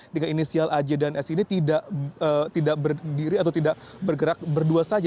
dengan inisial aj dan s ini tidak berdiri atau tidak bergerak berdua saja